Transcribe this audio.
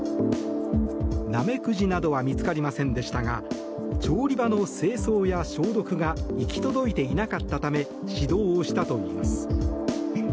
ナメクジなどは見つかりませんでしたが調理場の清掃や消毒が行き届いていなかったため指導したといいます。